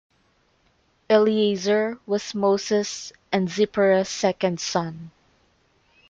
Eliezer was Moses and Zipporah's second son.